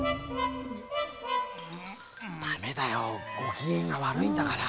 ダメだよごきげんがわるいんだから。